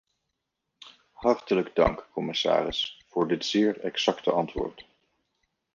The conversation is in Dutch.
Hartelijk dank, commissaris, voor dit zeer exacte antwoord.